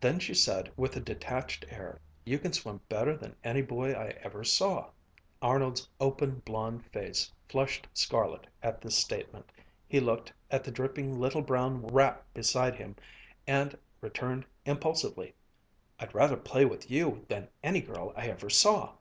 Then she said with a detached air, "You can swim better than any boy I ever saw." Arnold's open, blond face flushed scarlet at this statement. He looked at the dripping little brown rat beside him, and returned impulsively, "I'd rather play with you than any girl I ever saw."